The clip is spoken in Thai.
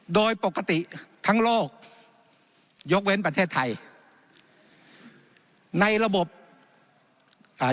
โดยปกติทั้งโลกยกเว้นประเทศไทยในระบบอ่า